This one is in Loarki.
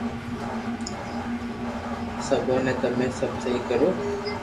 سپي بي تمي سب سھي ڪريو